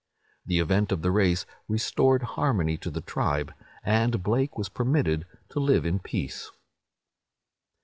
The event of the race restored harmony to the tribe, and Blake was permitted to live in peace."